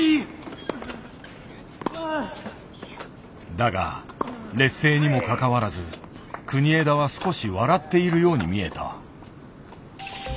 だが劣勢にもかかわらず国枝は少し笑っているように見えた。